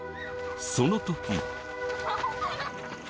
その時。